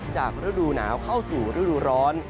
ฤดูหนาวเข้าสู่ฤดูร้อน